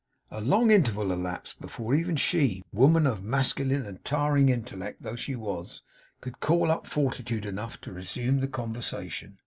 A long interval elapsed before even she woman of masculine and towering intellect though she was could call up fortitude enough to resume the conversation.